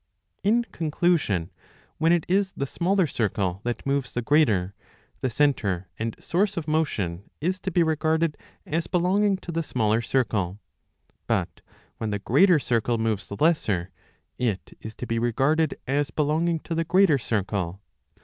In conclusion, when it is the smaller circle that moves the greater, the centre and source of motion is to be regarded as belonging to the smaller circle ; but when the greater circle moves the lesser, it is to be regarded as belonging to the greater circle.